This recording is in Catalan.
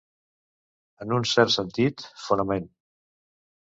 En un cert sentit, fonament.